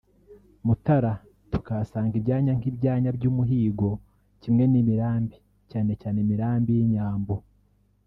Mutara) tukahasanga Ibyanya (nk’ibyanya by’umuhigo) kimwe n’imirambi (cyane cyane imirambi y’inyambo)